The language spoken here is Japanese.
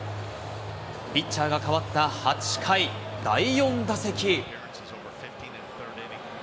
ピッチャーが代わった８回、第４打席。